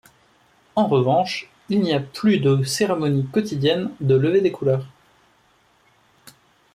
En revanche, il n'y a plus de cérémonie quotidienne de levée des couleurs.